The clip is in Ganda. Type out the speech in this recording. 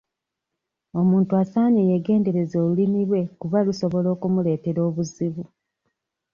Omuntu asaanye yeegendereze olulimi lwe kuba lusobola okumuleetera obuzibu.